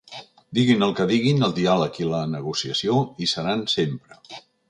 Diguin el que diguin, el diàleg i la negociació hi seran sempre.